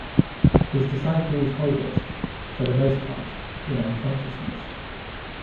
His disciples hold it, for the most part, in unconsciousness.